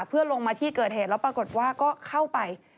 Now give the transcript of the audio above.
เพื่อลงมาที่เกิดเหตุแล้วปรากฏว่าก็เข้าไป